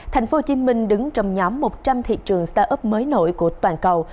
thành phố hồ chí minh đứng trong nhóm một trăm linh thị trường start up mới nổi của toàn cầu